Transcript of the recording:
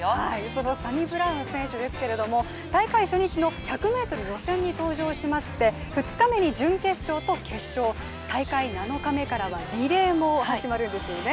そのサニブラウン選手ですけれども大会初日の１００ｍ予選に登場しまして２日目に準決勝と決勝大会７日目からはリレーも始まるんですよね。